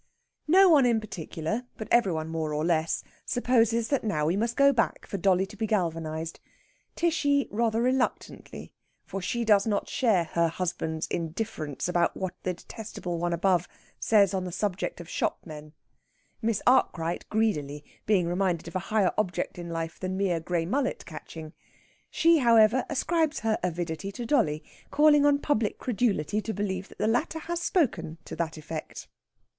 No one in particular, but every one more or less, supposes that now we must go back for dolly to be galvanised, Tishy rather reluctantly, for she does not share her husband's indifference about what the detestable one above says on the subject of shopmen; Miss Arkwright greedily, being reminded of a higher object in life than mere grey mullet catching. She, however, ascribes her avidity to dolly, calling on public credulity to believe that the latter has spoken to that effect.